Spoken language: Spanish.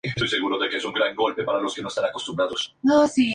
La corona recuerda que la villa fue el centro de una baronía.